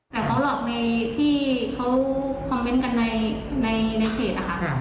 แต่เขาหลอกในที่เขาคอมเมนต์กันในเพจนะคะ